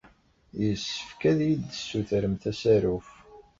Yessefk ad iyi-d-tessutremt asaruf.